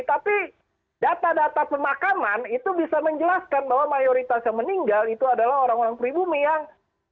tapi data data pemakaman itu bisa menjelaskan bahwa mayoritas yang meninggal itu adalah orang orang pribumi yang